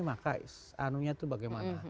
maka anunya itu bagaimana